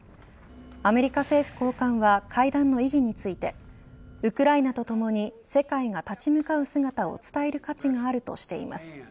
アメリカ政府高官は会談の意義についてウクライナとともに世界が立ち向かう姿を伝える価値があるとしています。